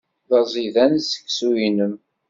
D aẓidan seksu-nnem.